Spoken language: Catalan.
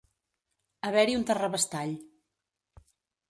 Haver-hi un terrabastall.